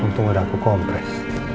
untung udah aku kompres